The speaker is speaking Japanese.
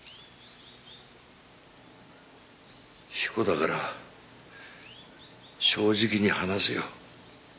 彦だから正直に話すよ。